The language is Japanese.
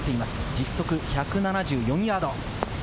実測１７４ヤード。